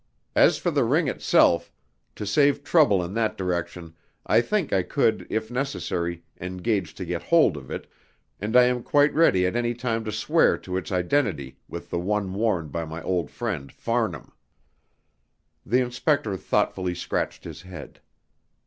As for the ring itself, to save trouble in that direction, I think I could if necessary engage to get hold of it, and I am quite ready at any time to swear to its identity with the one worn by my old friend Farnham." The inspector thoughtfully scratched his head.